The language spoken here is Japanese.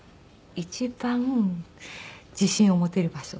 一番自信を持てる場所。